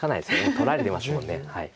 取られてますもんね。